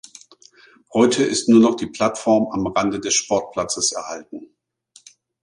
Heute ist nur noch die Plattform am Rande des Sportplatzes erhalten.